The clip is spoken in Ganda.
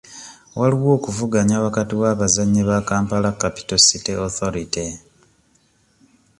Waliwo okuvuganya wakati w'abazannyi ba Kampala Capital City Authority.